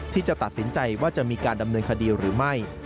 ที่จะตัดสินใจว่าจะมีการดำเนินคดีหรือไม่